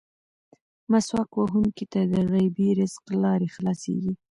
مسواک وهونکي ته د غیبي رزق لارې خلاصېږي.